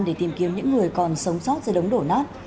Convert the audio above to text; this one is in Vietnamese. để tìm kiếm những người còn sống sót dưới đống đổ nát